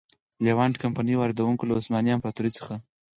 لېوانټ کمپنۍ واردوونکو له عثماني امپراتورۍ څخه.